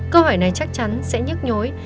câu hỏi này chắc chắn sẽ nhức nhối